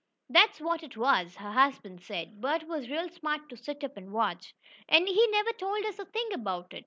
"That's what it was," her husband said "Bert was real smart to sit up and watch." "And he never told us a thing about it."